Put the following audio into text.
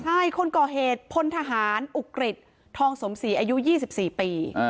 ใช่คนก่อเหตุพลทหารอุกฤษทองสมศรีอายุ๒๔ปี